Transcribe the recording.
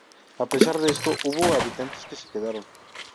A pesar de esto, hubo habitantes que se quedaron.